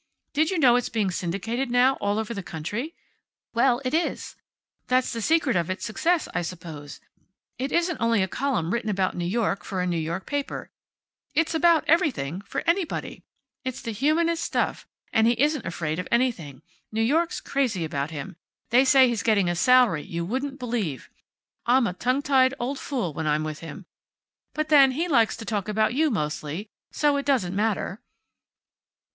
Did you know it's being syndicated now, all over the country? Well, it is. That's the secret of its success, I suppose. It isn't only a column written about New York for a New York paper. It's about everything, for anybody. It's the humanest stuff. And he isn't afraid of anything. New York's crazy about him. They say he's getting a salary you wouldn't believe. I'm a tongue tied old fool when I'm with him, but then, he likes to talk about you, mostly, so it doesn't matter."